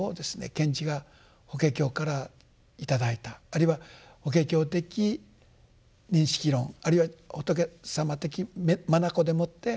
賢治が「法華経」から頂いたあるいは法華経的認識論あるいは仏様的眼でもって万物を見ようとする力。